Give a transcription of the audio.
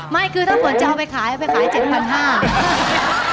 ไม่คือถ้าฝนจะเอาไปขายเอาไปขาย๗๕๐๐บาท